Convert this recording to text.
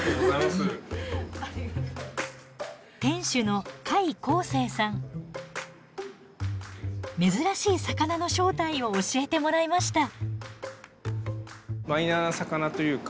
店主の珍しい魚の正体を教えてもらいました。